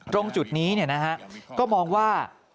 ตรงจุดนี้เนี่ยนะฮะก็มองว่า